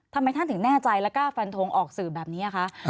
ทำไมท่านถึงแน่ใจและกล้าฟันทงออกสื่อแบบนี้คะ